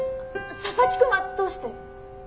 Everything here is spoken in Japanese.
佐々木くんはどうして？